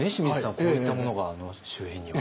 こういったものがあの周辺には。